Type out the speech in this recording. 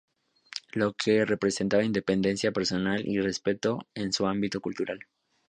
Lo que representaba independencia personal y respeto en su ámbito cultural.